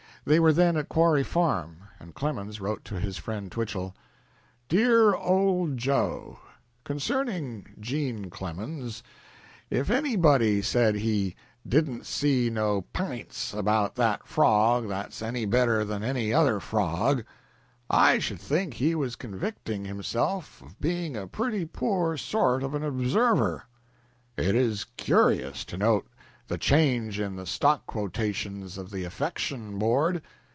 They were then at Quarry Farm, and Clemens wrote to his friend Twichell: "DEAR OLD JOE, Concerning Jean Clemens, if anybody said he 'didn't see no p'ints about that frog that's any better than any other frog,' I should think he was convicting himself of being a pretty poor sort of an observer. .. It is curious to note the change in the stock quotations of the Affection Board.